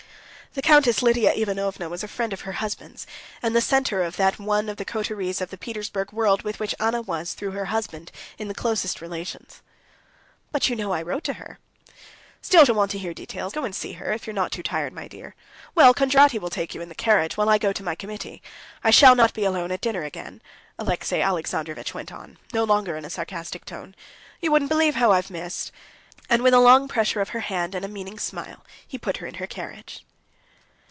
The Countess Lidia Ivanovna was a friend of her husband's, and the center of that one of the coteries of the Petersburg world with which Anna was, through her husband, in the closest relations. "But you know I wrote to her?" "Still she'll want to hear details. Go and see her, if you're not too tired, my dear. Well, Kondraty will take you in the carriage, while I go to my committee. I shall not be alone at dinner again," Alexey Alexandrovitch went on, no longer in a sarcastic tone. "You wouldn't believe how I've missed...." And with a long pressure of her hand and a meaning smile, he put her in her carriage.